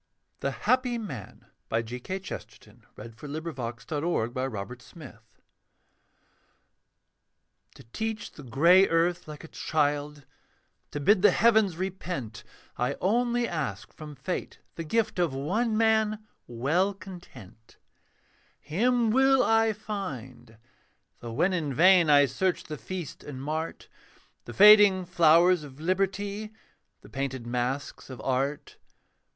'A bubble have you ever spied 'The colours I have seen on it?' THE HAPPY MAN To teach the grey earth like a child, To bid the heavens repent, I only ask from Fate the gift Of one man well content. Him will I find: though when in vain I search the feast and mart, The fading flowers of liberty, The painted masks of art.